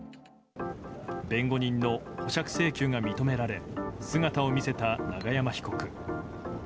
弁護人の保釈請求が認められ姿を見せた永山被告。